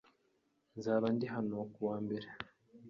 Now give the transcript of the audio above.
Nzaba ndi hano kuwa mbere.